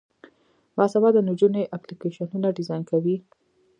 باسواده نجونې اپلیکیشنونه ډیزاین کوي.